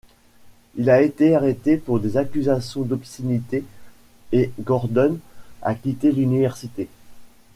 Il a été arrêté pour des accusations d'obscénité et Gordon a quitté l'université.